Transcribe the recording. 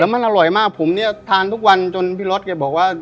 มันอร่อยมากผมเนี่ยทานทุกวันจนพี่รถแกบอกว่า